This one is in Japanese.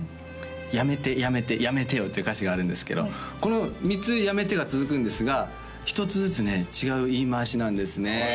「やめてやめてやめてよ」っていう歌詞があるんですけどこの３つ「やめて」が続くんですが一つずつね違う言い回しなんですね